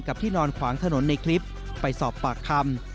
ที่นอนขวางถนนในคลิปไปสอบปากคำ